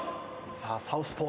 さあサウスポー。